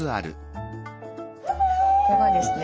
ここがですね